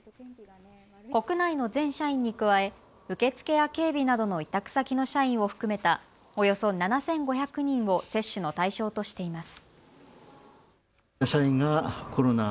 国内の全社員に加え受付や警備などの委託先の社員を含めたおよそ７５００人を接種の対象としています。